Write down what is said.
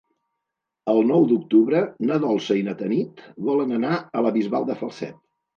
El nou d'octubre na Dolça i na Tanit volen anar a la Bisbal de Falset.